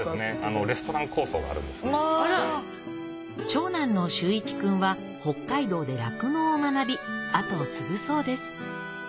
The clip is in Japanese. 長男の秀一君は北海道で酪農を学び後を継ぐそうです